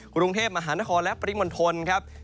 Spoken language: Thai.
กรุงเทพมหานครและปริมณฑลครับ